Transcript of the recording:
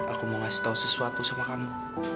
aku mau ngasih tau sesuatu sama kamu